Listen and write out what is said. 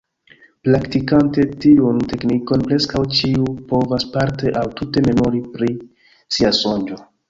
Praktikante tiun teknikon, preskaŭ ĉiu povas parte aŭ tute memori pri sia sonĝo.